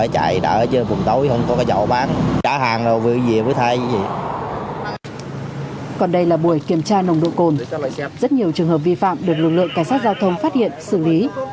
còn đây là buổi kiểm tra nồng độ cồn rất nhiều trường hợp vi phạm được lực lượng cảnh sát giao thông phát hiện xử lý